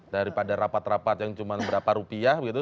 daripada rapat rapat yang cuma berapa rupiah begitu